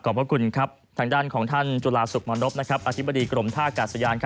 พระคุณครับทางด้านของท่านจุฬาสุขมรณรบอธิบดีกรมท่ากาศยาน